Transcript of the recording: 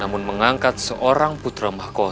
aduh sakit wak